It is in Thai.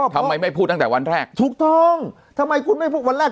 ทำไมไม่พูดตั้งแต่วันแรกถูกต้องทำไมคุณไม่พูดวันแรก